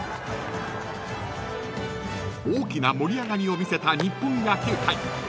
［大きな盛り上がりを見せた日本野球界］